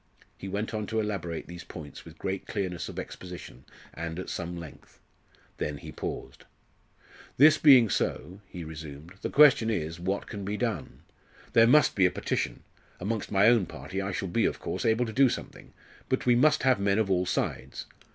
He went on to elaborate these points with great clearness of exposition and at some length; then he paused. "This being so," he resumed, "the question is, what can be done? There must be a petition. Amongst my own party I shall be, of course, able to do something, but we must have men of all sides.